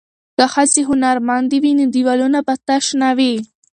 که ښځې هنرمندې وي نو دیوالونه به تش نه وي.